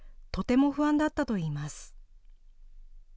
とても不安だったといいます。